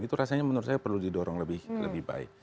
itu rasanya menurut saya perlu didorong lebih baik